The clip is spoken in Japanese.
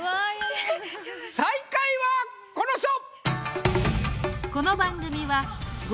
最下位はこの人！